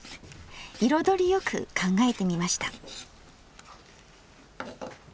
彩りよく考えてみました。